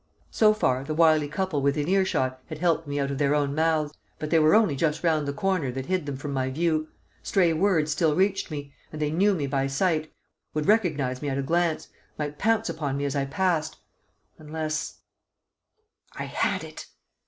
So far the wily couple within earshot had helped me out of their own mouths. But they were only just round the corner that hid them from my view; stray words still reached me; and they knew me by sight, would recognise me at a glance, might pounce upon me as I passed. Unless I had it!